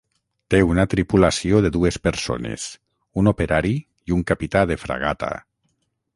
Té una tripulació de dues persones, un operari i un capità de fragata.